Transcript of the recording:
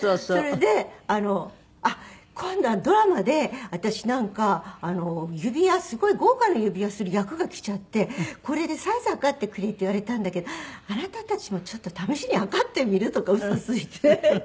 それであの「あっ今度ドラマで私なんか指輪すごい豪華な指輪する役がきちゃってこれでサイズ測ってくれって言われたんだけどあなたたちもちょっと試しに測ってみる？」とか嘘ついて。